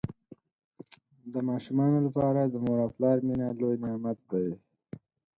د ماشومانو لپاره د مور او پلار مینه لوی نعمت دی.